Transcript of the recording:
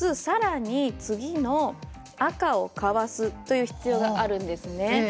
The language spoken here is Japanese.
さらに、次の赤をかわすという必要があるんですね。